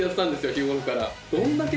日頃から。